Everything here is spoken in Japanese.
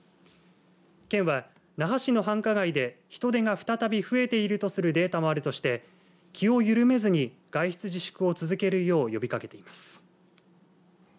県は、那覇市の繁華街で人出が再び増えているとするデータもあるとして気を緩めずに、外出自粛を続けるよう呼びかけています。